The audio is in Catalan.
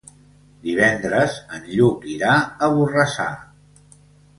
Divendres en Lluc irà a Borrassà.